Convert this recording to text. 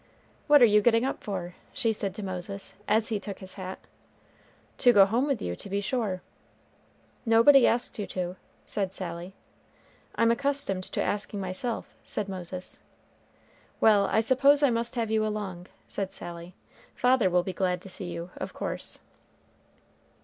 "What are you getting up for?" she said to Moses, as he took his hat. "To go home with you, to be sure." "Nobody asked you to," said Sally. "I'm accustomed to asking myself," said Moses. "Well, I suppose I must have you along," said Sally. "Father will be glad to see you, of course."